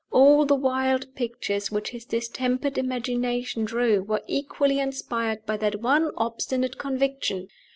All the wild pictures which his distempered imagination drew were equally inspired by that one obstinate conviction.